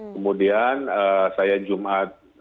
kemudian saya jumat